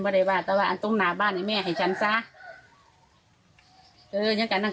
ไม่ได้ว่าแต่ว่าตรงหน้าบ้านให้แม่ให้ฉันซะเออยังแก่นั่ง